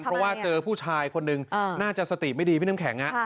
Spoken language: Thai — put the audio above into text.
เพราะว่าเจอผู้ชายคนหนึ่งน่าจะสติไม่ดีพี่น้ำแข็ง